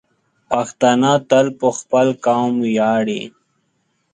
پښتانه تل په خپل قوم ویاړي.